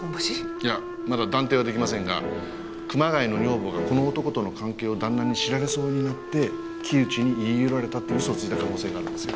いやまだ断定は出来ませんが熊谷の女房がこの男との関係を旦那に知られそうになって木内に言い寄られたって嘘をついた可能性があるんですよ。